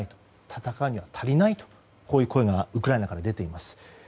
戦うには足りないとこういう声がウクライナから出ています。